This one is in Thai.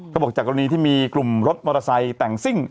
ก็บอกจากกรณีที่มีกลุ่มรถมอเตอร์ไซค์แต่งซิ่ง